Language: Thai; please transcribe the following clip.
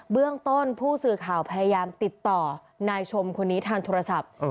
เรื่องต้นผู้สื่อข่าวพยายามติดต่อนายชมคนนี้ทางโทรศัพท์